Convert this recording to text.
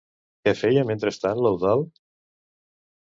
Què feia mentrestant l'Eudald?